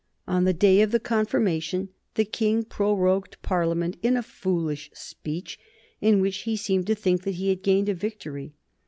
On the day of the confirmation the King prorogued Parliament in a foolish speech in which he seemed to think that he had gained a victory.